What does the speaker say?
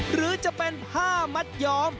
หรือจะเป็นผ้ามัดย้อม